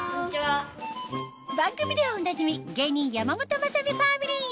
番組ではおなじみ芸人やまもとまさみファミリー